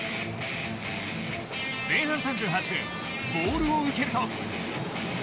前半３８分ボールを受けると。